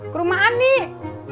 ke rumah anik